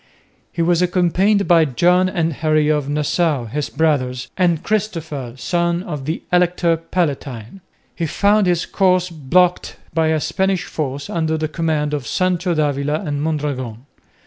He was accompanied by John and Henry of Nassau, his brothers, and Christopher, son of the Elector Palatine. He found his course blocked by a Spanish force under the command of Sancho d'Avila and Mondragon.